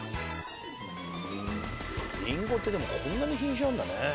りんごってでもこんなに品種あるんだね。